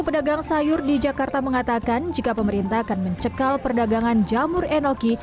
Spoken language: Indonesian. pedagang sayur di jakarta mengatakan jika pemerintah akan mencekal perdagangan jamur enoki